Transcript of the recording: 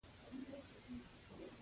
متل دی: چې باغ پوخ شو باغوان کوږ شو.